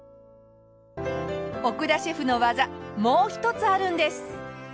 奥田シェフの技もう一つあるんです。